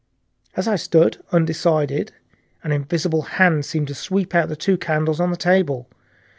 As I stood undecided, an invisible hand seemed to sweep out the two candles on the table.